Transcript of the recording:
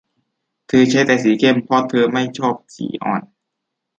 เธอใช้แต่สีเข้มเพราะเธอไม่ชอบสีอ่อน